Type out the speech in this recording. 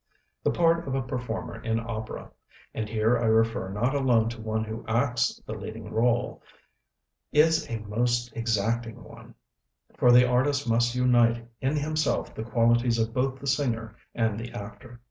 The part of a performer in opera (and here I refer not alone to one who acts the leading r├┤le) is a most exacting one; for the artist must unite in himself the qualities of both the singer and the actor.